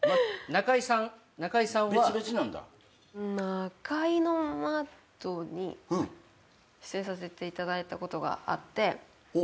『ナカイの窓』に出演させていただいたことがあって。